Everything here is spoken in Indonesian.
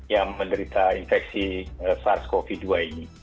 yang menderita infeksi sars cov dua ini